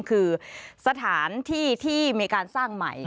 คือสถานที่ที่มีการสร้างใหม่